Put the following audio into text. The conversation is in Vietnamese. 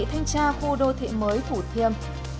thanh tra khu đô thị mới thủ thiêm